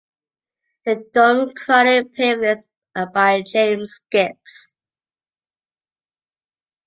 Their domed crowning pavilions are by James Gibbs.